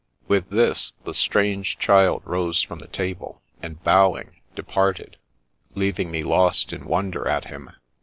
" With this, the strange child rose from the table, and bowing, departed, leaving me lost in wonder at him.